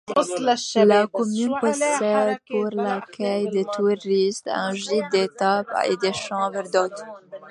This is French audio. La commune possède pour l'accueil des touristes un gîte d'étape et des chambres d'hôtes.